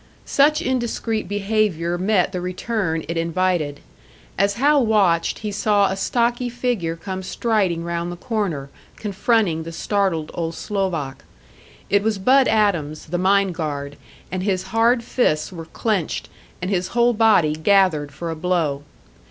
Such indiscreet behaviour met the return it invited. As Hal watched, he saw a stocky figure come striding round the corner, confronting the startled old Slovak. It was Bud Adams, the mine guard, and his hard fists were clenched, and his whole body gathered for a blow.